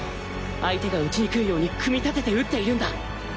相手が打ちにくいように組み立てて打っているんだ